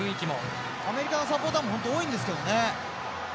アメリカのサポーターも多いんですけどね。